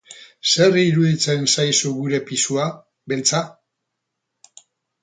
Zer iruditzen zaizu gure pisua, Beltza?